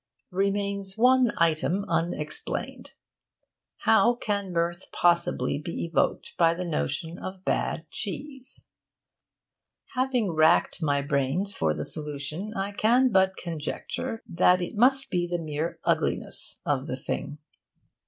Remains one item unexplained. How can mirth possibly be evoked by the notion of bad cheese? Having racked my brains for the solution, I can but conjecture that it must be the mere ugliness of the thing.